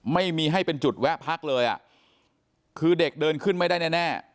ไม่มีให้เป็นจุดแวะพักเลยอ่ะคือเด็กเดินขึ้นไม่ได้แน่